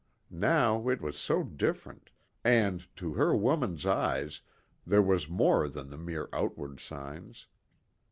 Now it was so different, and, to her woman's eyes, there was more than the mere outward signs.